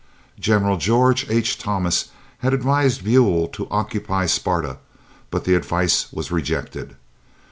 General George H. Thomas had advised Buell to occupy Sparta, but the advice was rejected.